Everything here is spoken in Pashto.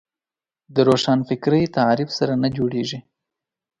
د روښانفکري تعریف سره نه جوړېږي